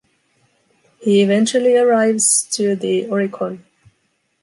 He eventually arrives to the Oricon.